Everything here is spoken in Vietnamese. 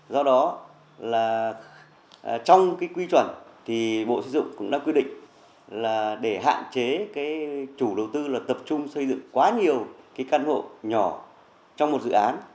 do đó là trong cái quy chuẩn thì bộ xây dựng cũng đã quy định là để hạn chế cái chủ đầu tư là tập trung xây dựng quá nhiều cái căn hộ nhỏ trong một dự án